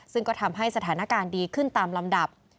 ซึ่งก็ทำให้สถานการณ์ดีขึ้นตามลำดับ